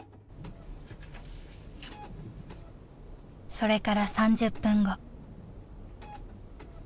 それから３０分後。